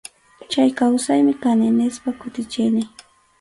Chay kawsaymi kani, nispa kutichini.